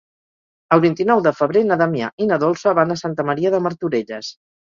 El vint-i-nou de febrer na Damià i na Dolça van a Santa Maria de Martorelles.